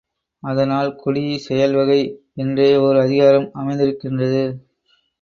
அதனால் குடி செயல் வகை என்றே ஒர் அதிகாரம் அமைந்திருக்கிறது.